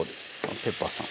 ペッパーさん